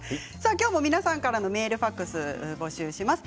きょうも皆さんからのメールファックスを募集します。